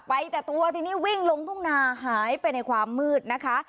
ไปแต่ตัวทีนี้วิ่งลงทุ่งนาหายไปในความมืดนะคะ